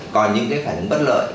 còn những cái phản ứng bất lợi